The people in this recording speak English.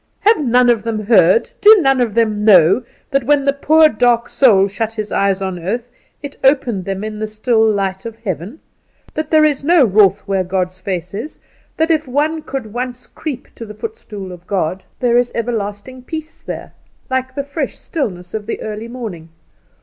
Have none of them heard do none of them know, that when the poor, dark soul shut its eyes on earth it opened them in the still light of heaven? that there is no wrath where God's face is? that if one could once creep to the footstool of God, there is everlasting peace there, like the fresh stillness of the early morning?